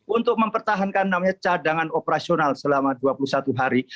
untuk mempertahankan namanya cadangan operasional selama dua puluh satu hari